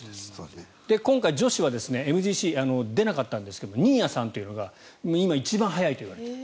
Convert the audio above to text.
今回、女子はＭＧＣ、出なかったんですが新谷さんが一番速いといわれている。